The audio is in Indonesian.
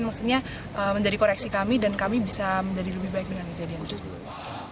maksudnya menjadi koreksi kami dan kami bisa menjadi lebih baik dengan kejadian tersebut